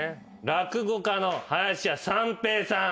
落語家の林家三平さん。